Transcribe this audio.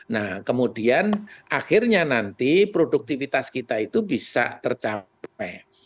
nah kemudian akhirnya nanti produktivitas kita itu bisa tercapai